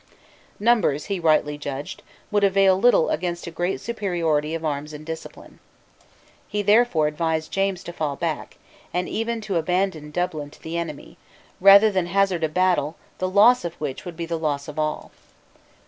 Numbers, he rightly judged, would avail little against a great superiority of arms and discipline. He therefore advised James to fall back, and even to abandon Dublin to the enemy, rather than hazard a battle the loss of which would be the loss of all.